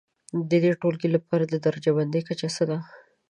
د دې ټولګي لپاره د درجه بندي کچه څه ده؟